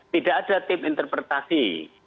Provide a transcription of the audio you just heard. tidak ada tim interpretasi